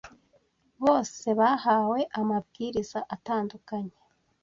bose bahawe amabwiriza atandukanye